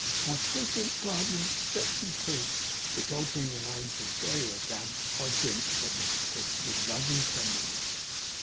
My frequent pardner, Betsey Prig!' 'Which, altering the name to Sairah Gamp; I drink,' said Mrs Prig, 'with love and tenderness.